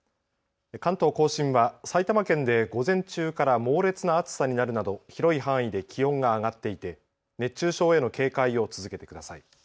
関東甲信は埼玉県で午前中から猛烈な暑さになるなど広い範囲で気温が上がっていて熱中症への警戒を続けてください。